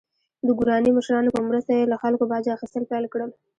د ګوراني مشرانو په مرسته یې له خلکو باج اخیستل پیل کړل.